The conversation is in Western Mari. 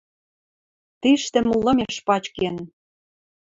Тиштӹм лымеш пачкен